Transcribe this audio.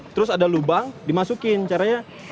terus ada lubang dimasukin caranya